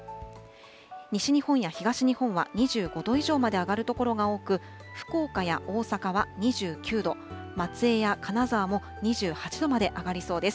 西日本や東日本は２５度以上まで上がる所が多く、福岡や大阪は２９度、松江や金沢も２８度まで上がりそうです。